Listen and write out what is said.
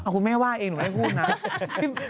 คุณแม่ว่าเองหนูไม่พูดนะ